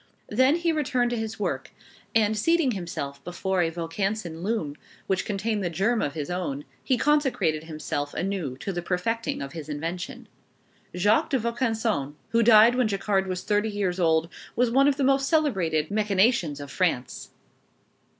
Then he returned to his work, and seating himself before a Vaucanson loom, which contained the germ of his own, he consecrated himself anew to the perfecting of his invention. Jacques de Vaucanson, who died when Jacquard was thirty years old, was one of the most celebrated mechanicians of France.